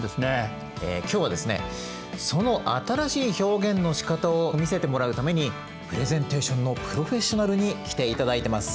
え今日はですねその新しい表現のしかたを見せてもらうためにプレゼンテーションのプロフェッショナルに来ていただいてます。